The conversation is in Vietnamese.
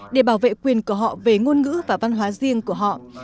để bảo vệ quốc gia và các dân tộc trên thế giới